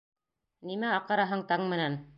— Нимә аҡыраһың таң менән.